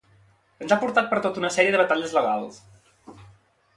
ens ha portat per tota una sèrie de batalles legals